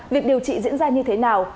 việc điều trị diễn ra như thế nào